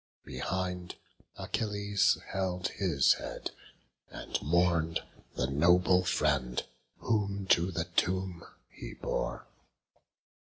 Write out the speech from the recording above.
Behind, Achilles held his head, and mourn'd The noble friend whom to the tomb he bore.